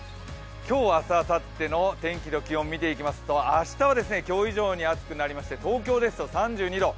今日、明日、あさっての天気と気温、見ていきますと明日は今日以上に暑くなりまして東京ですと３２度。